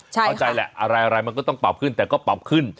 เข้าใจแหละอะไรมันก็ต้องปรับขึ้นแต่ก็ปรับขึ้น